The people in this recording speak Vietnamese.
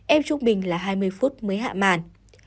em trung bình là hai mươi phút mới hạ màn